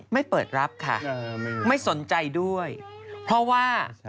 ไม่เปิดรับค่ะไม่สนใจด้วยเพราะว่า